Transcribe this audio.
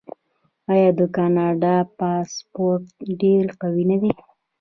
آیا د کاناډا پاسپورت ډیر قوي نه دی؟